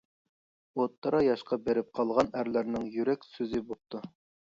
ئوتتۇرا ياشقا بېرىپ قالغان ئەرلەرنىڭ يۈرەك سۆزى بوپتۇ.